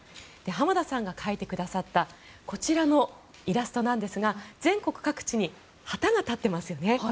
浜田さんが描いてくださったこちらのイラストなんですが全国各地に旗が立ってますよね。